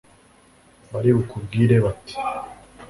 bari bukubwire bati